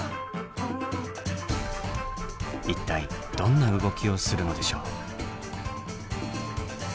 一体どんな動きをするのでしょう。